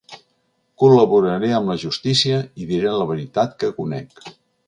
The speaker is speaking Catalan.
Col·laboraré amb la justícia i diré la veritat que conec.